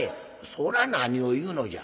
「そら何を言うのじゃ。